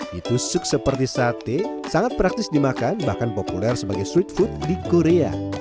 ditusuk seperti sate sangat praktis dimakan bahkan populer sebagai street food di korea